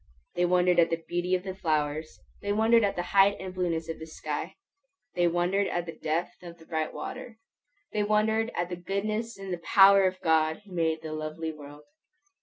They wondered at the beauty of the flowers; they wondered at the height and blueness of the sky; they wondered at the depth of the bright water; they wondered at the goodness and the power of God who made the lovely world.